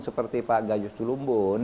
seperti pak gajus julumbun